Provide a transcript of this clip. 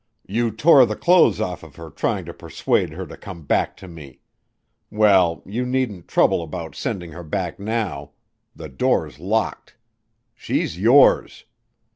You tore the clothes off of her trying to persuade her to come back to me! Well, you needn't trouble about sending her back now the door's locked. She's yours.